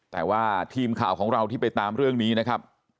แต่ว่าทีมข่าวของเราที่ไปตามเรื่องนี้นะครับ